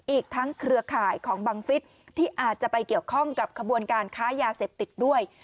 อีกทั้งเครือข่ายของบังฟิศที่อาจจะไปเกี่ยวข้องกับขบวนการค้ายาเสพติดด้วย